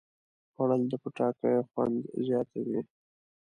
خوړل د پټاکیو خوند زیاتوي